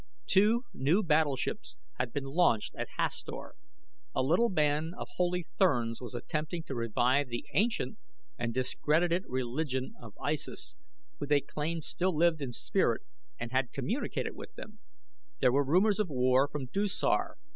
Two new battleships had been launched at Hastor. A little band of holy therns was attempting to revive the ancient and discredited religion of Issus, who they claimed still lived in spirit and had communicated with them. There were rumors of war from Dusar.